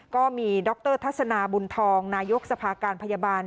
ก็มีดรทัศนาบุญทองนายกสภาการพยาบาล